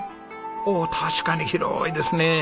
おお確かに広いですね。